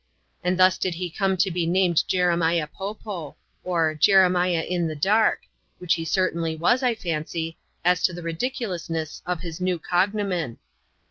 And thus did he come to be named Jeremiah Po Po ; or, Jeremiah in the Dark — which he certainly was, I fancy, as to the ridiculousness of his new cognomen.